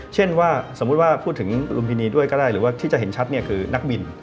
เช่นว่าสมมุติว่าพูดถึงลุมพินีด้วยก็ได้หรือว่าที่จะเห็นชัดเนี่ยคือนักบิน